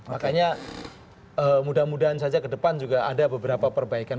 makanya mudah mudahan saja ke depan juga ada beberapa perbaikan